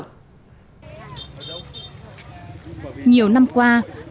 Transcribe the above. nhiều năm qua các doanh nghiệp đã tạo ra một nguồn nguyên liệu sạch cho các doanh nghiệp chế biến xuất khẩu